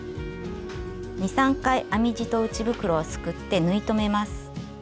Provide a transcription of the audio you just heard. ２３回編み地と内袋をすくって縫い留めます。